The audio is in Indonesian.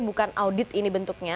bukan audit ini bentuknya